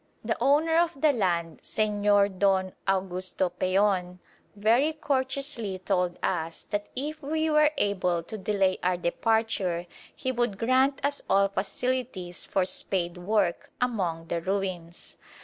The owner of the land, Señor Don Augusto Peon, very courteously told us that if we were able to delay our departure he would grant us all facilities for spade work among the ruins.